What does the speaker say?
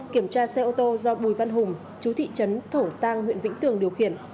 kiểm tra xe ô tô do bùi văn hùng chú thị trấn thổ tàng huyện vĩnh tường điều khiển